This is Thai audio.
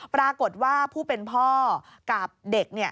ปรากฏว่าผู้เป็นพ่อกับเด็ก